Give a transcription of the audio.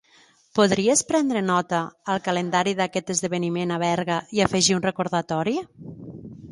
Podries prendre nota al calendari d'aquest esdeveniment a Berga i afegir un recordatori?